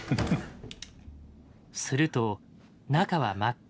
すると中は真っ暗。